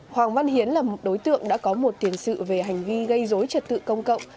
hoàng văn hiến là một đối tượng đã có một tiền sự về hành vi gây dối trật tự công cộng